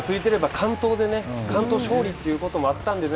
完投勝利ということもあったんでね